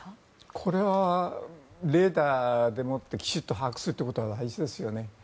これはレーダーでもってきちんと把握することが大事ですよね。